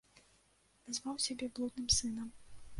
Назваў сябе блудным сынам.